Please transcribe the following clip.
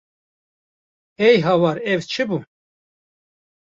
Hey hawar ev çi bû!